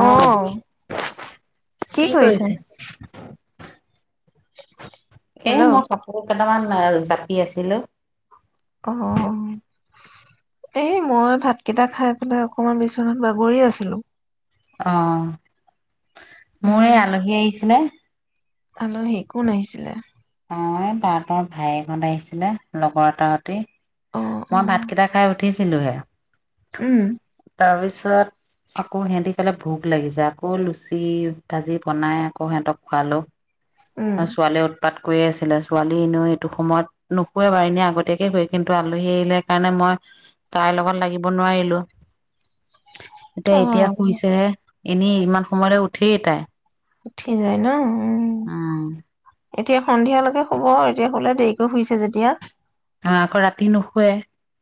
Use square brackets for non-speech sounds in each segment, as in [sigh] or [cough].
অ কি কৰিছে [inaudible] এ মই কাপোৰ দুটামান জাপি আছিলো অ', এই মই ভাতকেইটা খাই পেলাই অকমান বিচনাত বাগৰি আছিলো। অ মোৰ উম, এই আলহী আহিছিলে আলহী কোন আহিছিলে? অ', তাহঁতৰ ভায়েকহঁত আহিছিলে লগৰ তাহঁতি। অ', মই অ', ভাত কেইটা খাই উঠ উঠিছিলো হে উম তাৰপিছত আকৌ সিহতি কলে ভোক লাগিছে আকৌ লুচি ভাজি বনাই আকৌ সিহঁতক খোৱালো উম, ত ছোৱালী ত কয়ে আছিলে ছোৱালীলৈ এইটো সময়ত নুশুৱে বাৰু এনে আগতে সেয়ে হয় কিন্তু আলহী কাৰণে মই তাইৰ লগত লাগিব নোৱাৰিলো এতিয়া এতিয়া অ', শুইছেহে এনেই ইমান সময়লৈ উঠেই তাই উঠি যায় ন উ আহ এতিয়া সন্ধিয়ালৈকে শুৱ এতিয়া দেৰিকৈ শুইছে যেতিয়া আকৌ ৰাতি নুশুৱে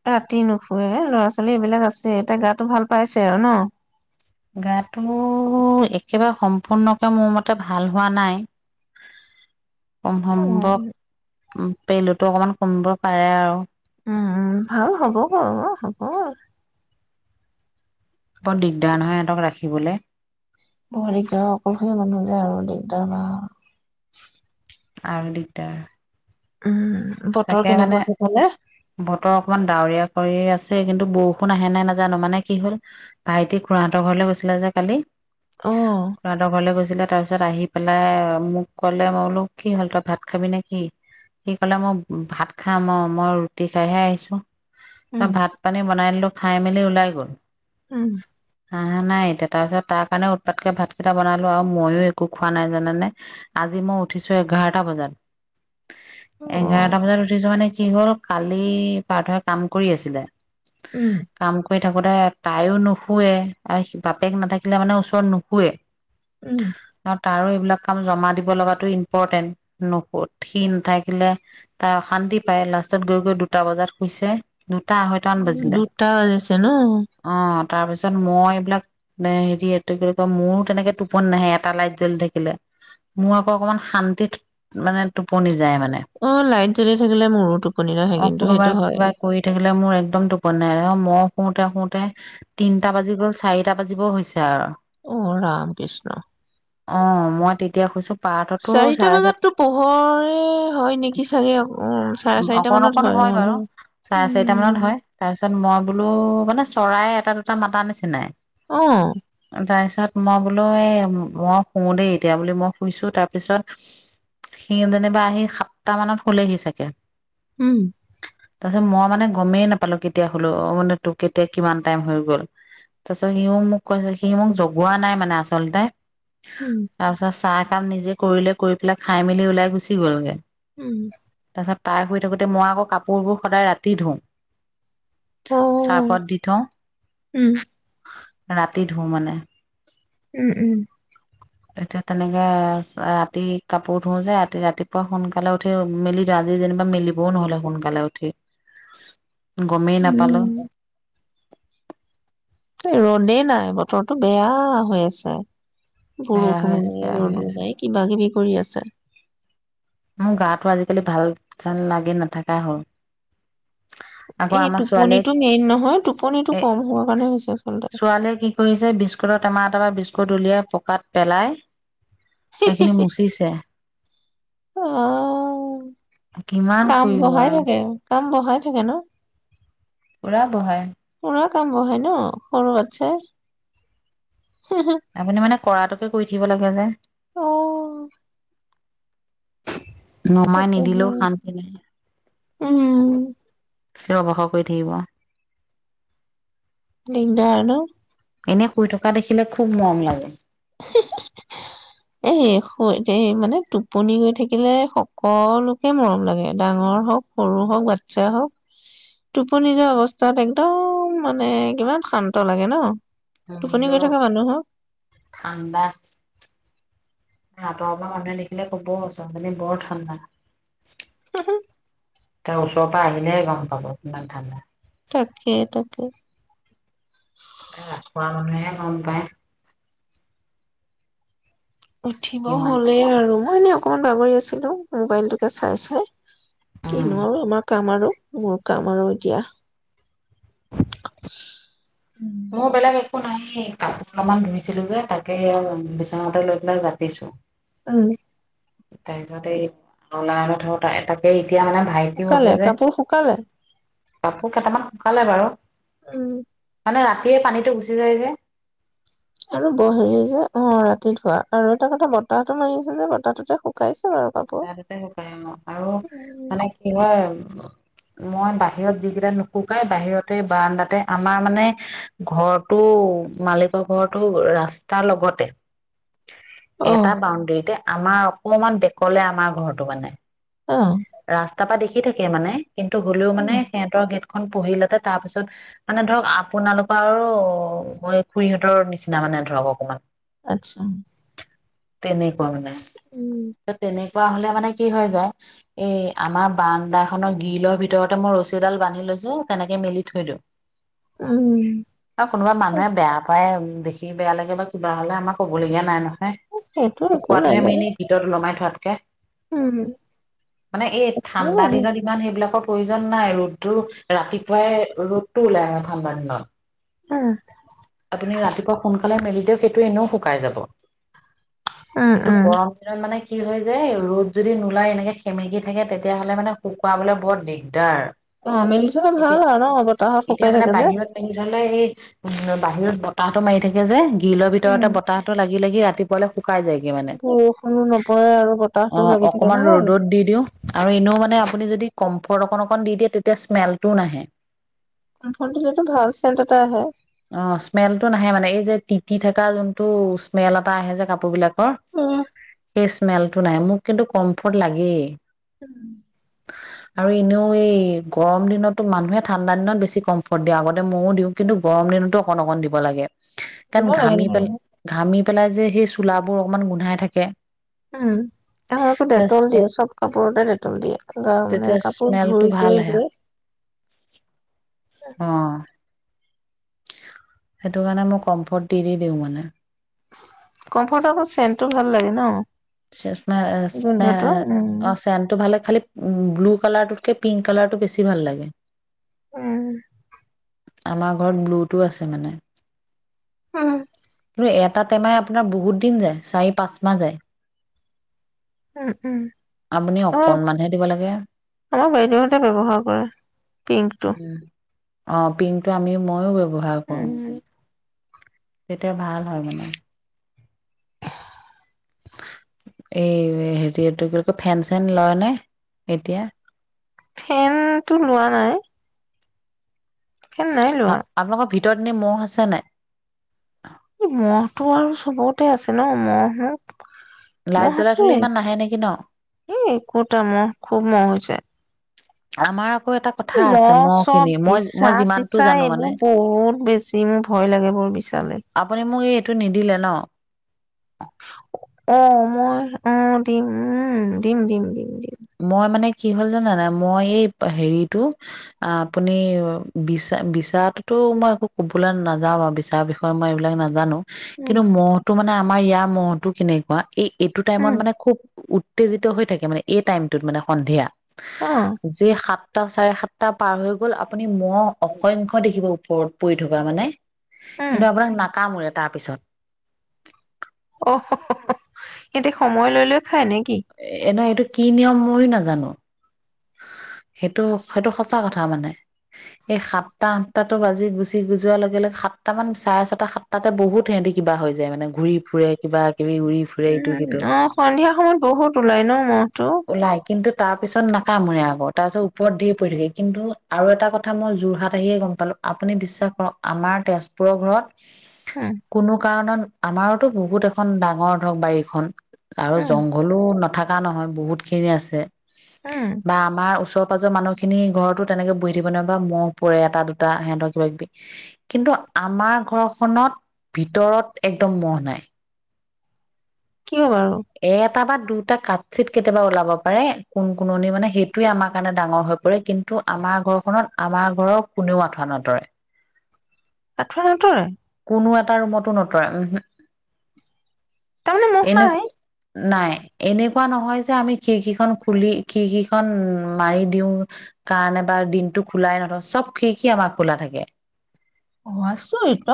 ৰাতি নুশুৱে ল'ৰা ছোৱালী এইবিলাক আছে এতিয়া গাতটো ভাল পাইছে আৰু ন গাটো একেবাৰে সম্পূৰ্ণকে মোৰ মতে ভাল হোৱা নাই উম, অসম্ভব উ পেলুতো অকমান কমিব পাৰে আৰু উম ভাল হ'ব বাৰু হ'ব বৰ দিগদাৰ নহয় সিহঁতক ৰাখিবলৈ বৰ দিগদাৰ অকলশালি মানুহ যে আৰু দিগদাৰ বা আৰু দিগদাৰ উম তাকে বতৰ মানে কেনেকুৱা সেফালে বতৰ অকমান ডাৱৰীয়া কৰি আছে কিন্তু বৰষুণ আহে নে নাজানো মানে কি হল ভাইটি খুৰাহঁতৰ ঘৰলৈ গৈছিলে যে কালি অ'। খুৰাঁহতৰ ঘৰলৈ গৈছ তাৰ পিছত আহি পেলাই মোক ক'লে মই বোলো কি হ'ল তই ভাত খাবি নে কি সি কলে মই ভাত খামই মই ৰুটি খাইহে আহিছো উম ভাত পানী বনাই দিলো খাই মেলি ওলাই গ'ল উম অহা নাই এতিয়া তাৰপিছত তাৰ কাৰণে উৎপাতকে ভাতকেইটা বনালো আৰু ময়ো একো খোৱা নাই জানানে আজি মই উঠিছো এঘাৰটা বজাত উ অ এঘাৰটা বজাত উঠিছো মানে কি হ'ল কালি পাৰ্থই কাম কৰি আছিলে উম কাম কৰি থাকোতে তাইও নুশুৱে আৰু হি বাপেক নাথাকিলে মানে ওচৰত নুশুৱে উম আৰু তাৰ এইবিলাক কাম জমা দিব লগাো ইম্পৰ্টেন্ট নো সি নাথাকিলে তাই অশান্তি পায় লাষ্টত গৈ গৈ দুটা বজাত শুইছে দুটা আঢ়ৈটামান বাজিলে দুটা বাজিছে নো তাৰ পিছত মই এইবিলাক এ হেৰি এইটো কি কয় মোৰো তেনেকে টোপনি নাহে এটা লাইট জ্বলি থাকিলে মোৰ আকৌ অকনমান শান্তিত মানে টোপনি অ লাইট জ্বলি থাকিলে মোৰো টোপনি নাহে অঁ কিন্তু কোনোবা সেইটো হয় কিবা কৰি থাকিলে মোৰ একদম টোপন নাই। মই শুওতে-শুওতে তিনটা বাজি গ'ল চাৰিটা বাজিব হৈছে আৰু অ ৰাম কৃষ্ণ অ মই তেতিয়া কৈছো পাৰ্থতো চাৰিটা চাৰে চাত বজাততো পোহৰে হয় নেকি চাগে চাগে উ চাৰে চাৰিটা অকন মানত অকন শুযে হয় বাৰু চাৰে হয় চাৰিটা মানত অ হয় তাৰপিছত মই বোলো, মানে চৰাই এটা দুটা মাতা নিচিনাই। অঁ তাৰ পিছত মই বোলো, এ মই শু দেই এতিয়া বুলি মই শুইছো তাৰ পিছত সি যেনিবা আহি সাতটা মানত। শুলেহি চাগে? উম তাৰপিছত মই মানে গমেই নাপালো কেতিয়া হলো অ মানে তোৰ কেতিয়া কিমান টাইম হৈ গল, তাৰপিছত সিও মোক কৈছে সি মোক জগোৱা নাই মানে আচলতে। উম তাৰপিছত চাহ কাম নিজে। কৰিলে কৰি পেলাই খাই মেলি ওলাই গুচি গ'লোগে উম তাৰ পিছত তাই, থ গোতে মই আকৌ কাপোৰবোৰ সদায় ৰাতি ধুওঁ। অ চাহপাত দি থওঁ'। উম ৰাতি ধো মানে। উম, উম এতিয়া তেনেকে ৰাতি কাপোৰ ধোওঁ যে ৰাতি, ৰাতিপুৱা সোনকালে উঠি মেলি দি আজি যেনিবা মেলিবও নহলে সোনকালে উঠি। গমেই নাপালো'। উম ৰ'দেই নাই, বতৰটো বেয়া হৈ আছে। বেয়া বৰষুণ হৈ আছে নাই বেয়া হৈ ৰ'দো আছে নাই কিবা-কিবি কৰি আছে াৰ [unintelligible] মোৰ গাটো আজিকালি ভাল চান লাগি নাথাকাই হ'ল আকৌ এই আমাৰ ছোৱালীয়ে টোপনিিতটো মেইন নহয় টোপনিটো এ কম হব কাৰণে হৈছে আচলতে। জক দুলিয়াই পকাত পেলাই'। এখনে মুছেিছে। অ, কাম কৰিব বহাই আৰু থাকে। কাম বহাই থাকে ন? পুৰা বহাই'। সুৰা কাম বহাই ন সৰু আছে'। আপুনি মানে [unintelligible] কৰাটোকে কৰি থাকিব লাগে যে'। অ,। নমাই সেইটো নিদিলেও হয় শান্তি নাইে। উ'ম চিঞৰ বাখৰ কৰি থাকিব। [unintelligible] ন'? এনেই শুই থকা দেখিলে খুব মৰম লাগে। এ, এই মানে টোপনি হৈ থাকিলে সকলোকে মৰম লাগে। ডাঙৰ হওক, সৰু হওক, বাচ্ছা হওক টোপনি যোৱা অৱস্থাত একদম মানে কিমান শান্ত লাগে ন'। টোপনি গৈ নীৰৱ থাকা মানুহক ঠাণ্ডা আতৰৰ পৰা মানুহে দেখিলে কব ছোৱালীজনী বৰ ঠাণ্ডা। তাৰ ওচৰৰপৰা আহিলে গম পাব কিমান ঠাণ্ডা। তাকে তাকে। অ', পাই। উঠিব কিমান হ'লেই আৰু মানে অকণমান বাগৰি আছিলোঁ মোবাইলতোকে চাই চাই। উম কিনো আৰু আমাৰ কাম আৰু। মোৰ কাম আৰু এতিয়া। মোৰ বেলেগ একো নাইয়ে কাপোৰ অলপমান ধুইছিলোঁ যে তাকে সেয়া বিচনাতে লৈ পেলাই জাপিছোঁ। অ', তাৰপিছত এই ৰাৰণ থ এ তাকেই শুকালে কাপোৰ শুকালে কাপোৰ কেইটামান শুকালে বাৰু উ'ম মানে ৰাতিয়ে পানীটো গুচি যায় যে। আৰু হেৰি যে অ', ৰাতি ধোৱা আৰু এটা কথা বতাহটো মাৰি আছে যে বতাহটোতে শুকাইছে। বাৰু কাপোৰ। ৰাতিতে শুকাই অ' আৰু মানে কি হয় মই বাহিৰত যিকেইটা নুশুকাই বাহিৰতে বাৰাণ্ডাতে আমাৰ মানে ঘৰটো মালিকৰ ঘৰটো ৰাস্তাৰ লগতে। অহ এটা বাউণ্ডৰীতে আমাৰ অকমান ক'লে আমাৰ ঘৰটো মানে অ', তাৰপা দেখি থাকে মানে কিন্তু হ'লেও মানে সিহঁতৰ গেটখন [unintelligible] পঢ়িলাতে তাৰপিছত মানে ধৰক আপোনালোকৰ আৰু খুুৰীহঁতৰ নিচিনা মানে ধৰক অকমান। আচ্ছা। তেনেকুৱা মানে উম। ত' তেনেকুৱা হ'লে, মানে, কি হয় যায়। এই আমাৰ বাৰান্দাখনৰ গ্ৰিলৰ ভিতৰতে মই ৰছী এডাল বান্ধি লৈছোঁ। তেনেকে মেলি থৈ দিওঁ। উম। অ ', কোনোবা মানুহে বেয়া পায়। দেখি বেয়া লাগে বা কিবা হ'লে আমাৰ ক'বলগীয়া নাই নহয়। সেইটো একো নাই শুকুৱোতটোহে মেইন। বাৰু এই ভিতৰত ওলোমাই থ ভাতকৈ উম মানে এই উম ঠাণ্ডা উম দিনত ইমান সেইবিলাকক প্ৰয়োজন নাই ৰ'দটো ৰাতিপুৱাই ৰ'দটো ওলাই ঠাণ্ডা দিনত। আপুনি ৰাতিপুৱা সোনকালে সফালে মেলি দিও সেইটো এনেও শুকাই যাব কিন্তু উম। গৰম দিনত মানে কি হয় যে ৰ'দ যদি নোলাই এনেকে সেমেকি থাকে তেতিয়াহ'লে মানে শুকুৱাবলৈ বৰ দিগদাৰ অ' মেলি থলে ভাল এতিয়া হয় ন বতাহত এতিয়া শুকাই মানে থাকে যে। বাহিৰত মেলি থলে এই উম বাহিৰত বতাহতো মাৰি থাকে যে। গিলৰ উম। ভিতৰতে বতাহটো লাগি লাগি ৰাতিপুৱালে শুম। বৰষুণো নপ অ'অকণমান ৰ'দত দি দিও আৰু এনেও মানে আপুনি যদি! কম্ফৰ্ট অকন অকণ দি দিয়া তেতিয়া স্মেলটোও নাহে। কম্ফ'ৰ্ট দিলে টো ভাল চেণ্ট এটা আহে। তি থকা যোনটো স্মেল এটা আহে যে কাপোৰ বিলাক অ সেই স্মেলটো নাই মোক কিন্তু কমফৰ্ট লাগেই। কোনো স্ৱৰ শুনা পোৱা নগ'ল। [inaudible] আৰু এনেও এই গৰম দিনতকৈ মানুহে ঠাণ্ডা দিনত বেছি কমফৰ্ট দিয়ে আগতে ময়ো দিওঁ কিন্তু গৰমৰ দিনটো অকণ অকণ দিব লাগে। দিব কাৰণ লাগে ঘামি তেনেকে। পেলাই ঘামি পেলাই যে সেই চোলাবোৰ অকমান গোন্ধাই থাকে উম আমাৰ আকৌ ডেটল দিয়ে চব কাপোৰতে ডেটল দিয়ে গ মানে তেতিয়া কাপোৰ স্মেলটো ধুই ভাল কৰি আহে লৈ অ সেইটো কাৰণে মই কম্ফৰ্ট দি দি দিওঁ মানে কমফৰ্টেবল চেণ্টটো ভাল লাগে ন গোন্ধটো উম অ চনটো ভালে খালি উ ব্লু কালাৰটোতকে পিংক কালাৰটো বেছি ভাল লাগে। উম আমাৰ ঘৰত ব্লুটো আছে মানে হ কিন্তু এটা টেমাই আপোনাৰ বহুত দিন যায় চাৰি পাঁচ মাহ যায় উম আপুনি উমাৰ অকনমানহে দিব লাগে আমাৰ বাইদেউহতে ব্য্ৱহাৰ কৰে পিংকটো উম অ পিংক টো আমি মইয়ো ব্যৱহাৰ কৰোঁ উম তেতিয়া ভাল হয় মানে কোনো স্ৱৰ শুনা পোৱা নগ'ল। এ, হেৰি এইটো কি কয় ফেন চেন লয় নে এতিয়া? ফেনটো লোৱা নাই। ফেন নাই লোৱা আ-আপোনালোকৰ ভিত তত এনে ম'হ আছে নাই? ই ম'হটো আৰু চবতে আছে ন, ম'হ নো লাইট ম'হ জ্বলাই আছে। থলে ইমান নাহে নেকি ন এ, কটা ম'হ খুব ম'হ হৈছে। আমাৰ এটা কথা মহ আছে খিনি চব মই মই যিমানটো বিচা-চিচা জানো মানে এইবোৰ বহুত বেছি মোৰ ভয় লাগে বৰ বিচালে। আপুনি মোক এই এইটো নিদিলে ন অ', মই অ', দিম উম, দিম, দিম, দিম, দিম। মই মানে কি হ'ল জানেনাই, মই এই হেৰিটো, আপুনি বিচা বিচাটোতো মই একো কবলৈ নাযাও বাৰু বিচাৰ বিষয়ে মই এইবিলাক নাজানো। উম কিন্তু ম'হটো মানে মাৰ ইয়াৰ ম'হতো কেনেকুৱা এই এইটো টাইমত উম মানে খুব উৎ উত্তেজিত হৈ থাকে মানে, এই টাইম। টোত মানে সন্ধিয়া। অ যে সা- টা চাৰেসাতটা পাৰ হৈ গল আপুনি মহ অসংখ্য দেখিব ওপৰত পৰি থকা মানে। উম কিন্তু আপোনাক নাকামোৰে। তাৰপিছত। অ, হ, হ, হ, সেতি সময় লৈ লৈ খায় নিক এনাইটোক কি নিয়ম ময়ো নাজানো। সেইটো সেইটো সঁচা কথা মানে। এই সাতটা আঠটাতো বাজি গুচি যোৱাৰ লগে লগে সাতটা মান চাৰে ছটা সাতটাতে বহুত সিহঁতি কিবা হৈ যায় মানে ঘূৰি ফুৰে কিবা কিবি উৰি ফুৰে উ, ইটো সিটো অ', সন্ধিয়া সময়ত বহুত ওলাই ন ম'হটো। তাপিছত ন কামোৰে আকৌ। তাৰপিছত ওপৰত ধেৰ পৰি থাকে কিন্তু আৰু এটা কথা মই যোৰহাট আহিয়ে গম পালো, আপুনি বিশ্বাস কৰক আমাৰ তেজপুৰৰ ঘৰত উম কোনো কাৰণত আমাৰ বহুত এখন ডাঙৰ ধৰক বাৰীখন। আৰু উম জংঘলো নাথাক কা নহয় বহুত খিনি আছে। উম আ, ওচৰ পাজৰ মানুহখিনি ঘৰতো তেনেকে বহি থাকিব নোৱাৰে বা ম'হ পৰে এটা দুটা সেতৰ কিবা কিবি। কিন্তু আমাৰ ঘৰখনত ভিতৰত একদম ম'হ নাই। কিয় বাৰু? এটা বা দুটা কাঠ চিত কেতিয়াবা ওলাব পাৰে, কোন কোননি মানে সেইটোৱে আমাৰ কাৰণে ডাঙৰ হৈ পৰে। কিন্তু আমাৰ ঘৰখনত আমাৰ ঘৰৰ কোনেও আঁঠুৱা নতৰে। আঠুঁৱা নতৰে? কোনো এটা ৰুমতো নতৰে ওমহু। তাৰমানে মহ এনক নাই নাই। এনেকুৱা নহয় যে আমি খিৰিকীখন খুলি খিৰিকিখন মাৰি দিও কাৰণে বা দিনটো খোলাই নথওঁ চব খিৰিকি আমাৰ খোলা থাকে। অ' আছো আও এট'।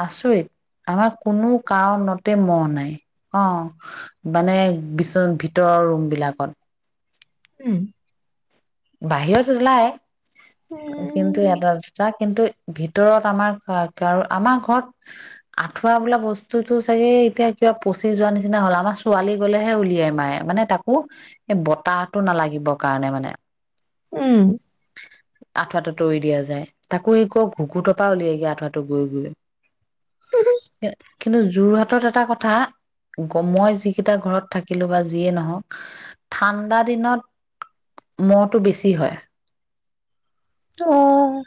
আচৰিত আমাৰ কোনো কাৰণতে মহ নাই অ' মানে বিচ-ভিতৰ ৰুম বিলাকত। উম। বাহিৰত ওলাই। কিন্তু উম এটা দুটা কিন্তু ভিতৰত আমাৰ [unintelligible] আৰু আমাৰ ঘৰত আঠুৱা বোলা বস্তুটো চাগে এতিয়া কিবা পচি যোৱা নিচিনা হ'ল। আমাৰ ছোৱালী গলেহে উলিয়াই মাই মানে তাকো এই বতাহটো নালাগিব কাৰণে মানে। উম। আঠুৱাটো তৰি দিয়া যায়। তাকো এই কৌৰ ঘুঁকুতৰ পৰা উলিয়াইগে আঠুৱাটো গৈ গৈ [inaudible] কিন্তু যোৰহাটত এটা কথা, গৈ মই যিকেইটা ঘৰত থাকিলোঁ, বা যিয়েই নহওক, ঠাণ্ডা দিনত মহ টো বেছি হয় অ'।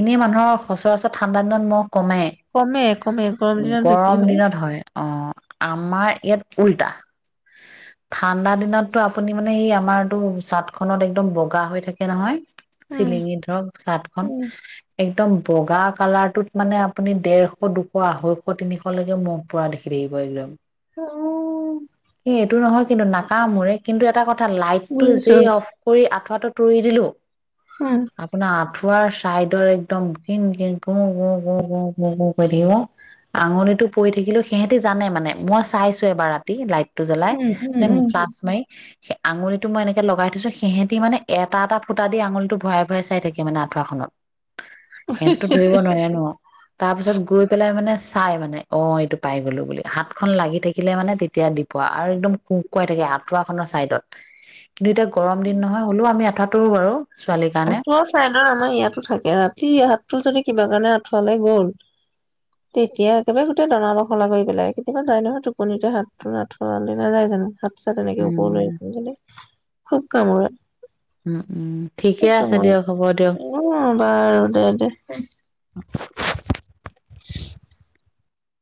এনে মানুহৰ সচৰাচৰ ঠাণ্ডা দিনত মহ কমে। কমে কমে গৰম দিনত বেছি গৰম দিনত হয়। অ', আমাৰ ইয়াত উল্টা। ঠাণ্ডা দিনতটো আপুনি, মানে, এই আমাৰটো চাট-খাট একদম বগ কা হৈ থাকে নহয়। উম চিলিঙে ধৰক, চাটখন একদম বগা কালাৰটোত, মানে, আপুনি ডেৰশ, দুশ, আঢ়ৈশ, তিনিশলৈকে মহ পৰা দেখি থাকিব একদম। অ এ এইটো নহত কিন্তু নাকামোৰে। কিন্তু এটা কথ থা লাইটটো বুজিছো যে অফ কৰি আঠ টো তৰি দিলো উম আপোনাৰ আঠো ৱাৰ চাইডৰ একদম গিন-গিন, গু-গু-গু-গু-গু কৰি থাকিব। আঙুলিটো পৰি থাকিলেও সেহেঁতি জানে। মানে, মই চাইছোঁ এবাৰ ৰাতি লাইট টো জ্বলাই, উম উম মানে, উম। ফ্লাচ মাৰি সে, আঙুলিটো মই এনেকে লগাই থৈছোঁ। সেহেঁতি, মানে এটা-এটা ফুটা দি আঙুলিটো ভৰাই-ভৰাই চাই থাকে, মানে, আঠুৱাখনত সেহেঁতিটো ধৰিব নোৱাৰে ন। তাৰপিছত গৈ পেলাই, মানে চাই, মানে, অ'। এইটো পাই গ'লো বুলি। হাতখন লাগি থাকিলে, মানে, তেতিয়া দিব আৰু একদম কুকুৱাই থাকে আঠুৱাখনৰ চাইডত। কিন্তু এতিয়া গৰম দিন নহয় হ'লেও আমি আঠুৱা তৰোঁ বাৰু ছোৱালীৰ কাৰণে আঠুৱা চাইদৰ আমাৰ ইয়াতো থাকে ৰাতি হাত টো যদি কিবা কাৰণে আঠুৱালে গ'ল, তেতিয়া একেবাৰে গোটেই দানা-বখলা কৰি পেলাই। কেতিয়াবা যায় নহয়, টোপনিতে হাতটো আঠুৱালে নাযায় জানো? হাত আছে তেনেকে উম ওপৰলৈ খুব কামুৰে। উ, উ। ঠিকে আছে দিয়ক হ'ব দিয়ক। অ বাৰু দে দে। [inaudible] ছিউ